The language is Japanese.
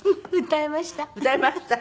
歌えました？